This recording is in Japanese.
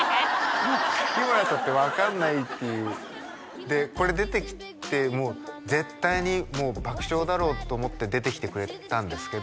もう日村さんって分かんないっていうでこれ出てきてもう絶対に爆笑だろうと思って出てきてくれたんですけど